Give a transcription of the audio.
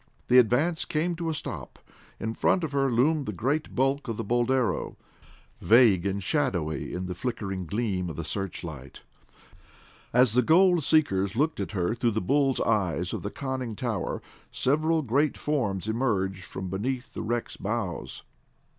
The Advance came to a stop. In front of her loomed the great bulk of the Boldero, vague and shadowy in the flickering gleam of the searchlight. As the gold seekers looked at her through the bull's eyes of the conning tower, several great forms emerged from beneath the wreck's bows.